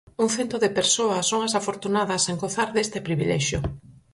Un cento de persoas son as afortunadas en gozar deste privilexio.